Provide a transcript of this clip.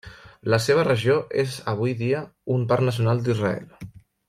La seva regió és avui dia un parc nacional d'Israel.